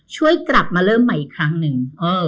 ช่วยกลับมาเริ่มใหม่อีกครั้งหนึ่ง